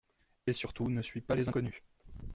Et surtout ne suis pas les inconnus!